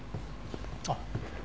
あっ。